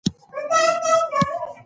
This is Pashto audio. حیات الله په خپله چوکۍ باندې ډډه ولګوله.